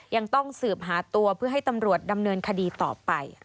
ยังต้องสืบหาตัวเพื่อให้ตำรวจดำเนินคดีต่อไป